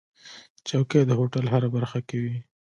چوکۍ د هوټل هره برخه کې وي.